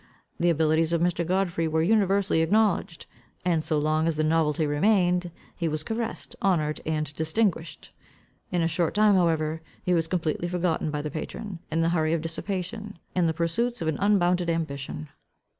The abilities of Mr. Godfrey were universally acknowledged. And so long as the novelty remained, he was caressed, honoured, and distinguished. In a short time however, he was completely forgotten by the patron, in the hurry of dissipation, and the pursuits of an unbounded ambition.